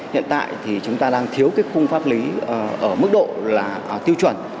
hiện tại thì chúng ta đang thiếu cái khung pháp lý ở mức độ là tiêu chuẩn